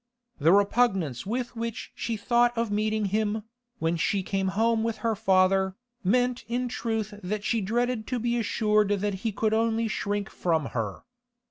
The repugnance with which she thought of meeting him, when she came home with her father, meant in truth that she dreaded to be assured that he could only shrink from her.